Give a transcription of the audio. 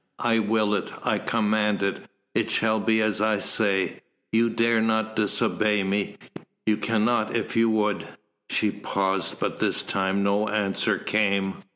I will it, I command it it shall be as I say you dare not disobey me you cannot if you would." She paused, but this time no answer came.